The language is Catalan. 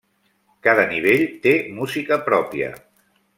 Cada nivell té música pròpia.